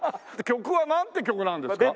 曲はなんて曲なんですか？